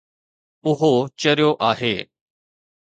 اهو چريو آهي